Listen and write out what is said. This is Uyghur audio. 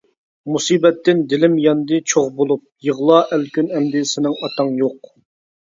مۇسىبەتتىن دىلىم ياندى چوغ بولۇپ، يىغلا ئەلكۈن ئەمدى سېنىڭ ئاتاڭ يوق.